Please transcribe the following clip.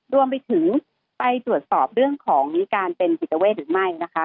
รวมไปถึงไปตรวจสอบเรื่องของการเป็นจิตเวทหรือไม่นะคะ